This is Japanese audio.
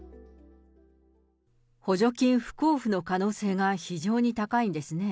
補助金不交付の可能性が非常に高いんですね。